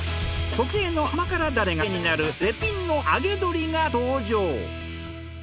特製の甘辛ダレがクセになる絶品の揚げ鶏が登場。